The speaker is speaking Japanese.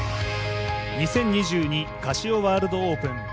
２０２２カシオワールドオープン。